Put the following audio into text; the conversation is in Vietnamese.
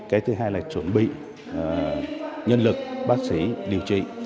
cái thứ hai là chuẩn bị nhân lực bác sĩ điều trị